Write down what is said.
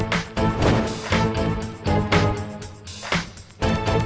besides pesen lalu kaya beberapa makee ya asian